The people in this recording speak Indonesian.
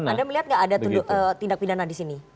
anda melihat nggak ada tindak pidana di sini